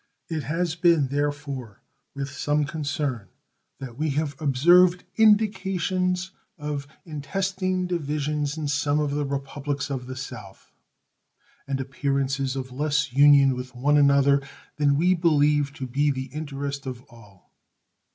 It has been, therefore, with some concern that we have observed indications of intestine divisions in some of the Republics of the south, and appearances of less union with one another than we believe to be the interest of all.